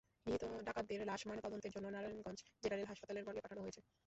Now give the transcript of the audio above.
নিহত ডাকাতদের লাশ ময়নাতদন্তের জন্য নারায়ণগঞ্জ জেনারেল হাসপাতালের মর্গে পাঠানো হয়েছে।